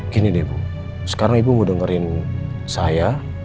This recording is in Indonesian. gini deh bu sekarang ibu mau dengerin saya